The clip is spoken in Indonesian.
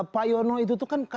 pak yono itu tuh kan